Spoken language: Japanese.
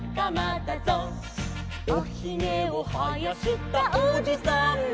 「おひげをはやしたおじさんも」